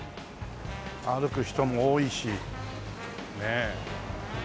歩く人も多いしねえ。